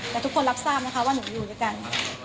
แต่ทุกคนรับทราบนะคะว่าหนูอยู่ด้วยกัน